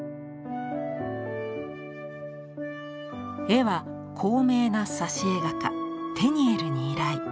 絵は高名な挿絵画家テニエルに依頼。